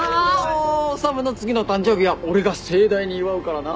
修の次の誕生日は俺が盛大に祝うからな。